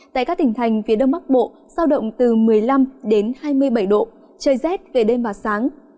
tại các tỉnh thành phía đông bắc bộ sao động từ một mươi năm đến hai mươi bảy độ trời rét về đêm và sáng